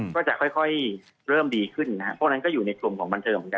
ก็จะค่อยเริ่มดีขึ้นพวกนั้นอยู่ในกลุ่มของบันเทิมเหมือนกัน